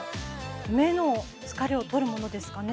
目の疲れを取るものですかね